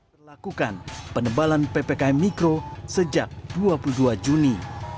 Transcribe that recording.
berlakukan penebalan ppkm mikro sejak dua puluh dua juni